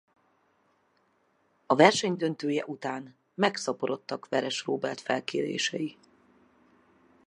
A verseny döntője után megszaporodtak Veres Róbert felkérései.